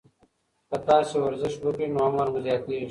که تاسي ورزش وکړئ، نو عمر مو زیاتیږي.